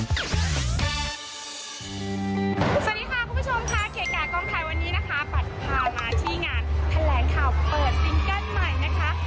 สวัสดีค่ะคุณผู้ชมค่ะเกกากล้องไทยวันนี้นะคะปัดพามาที่งานแถลงข่าวเปิดซิงเกิ้ลใหม่นะคะ